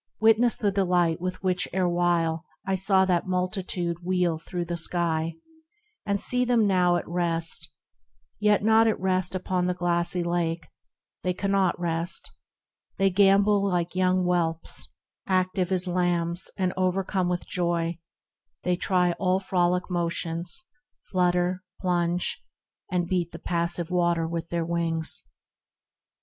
Witness the delight With which erewhile I saw that multitude Wheel through the sky, and see them now at rest, Yet not at rest upon the glassy lake : They cannot rest — they gambol like young whelps ; Active as lambs, and overcome with joy They try all frolic motions ; flutter, plunge, THE RECLUSE 37 And beat the passive water with their wings.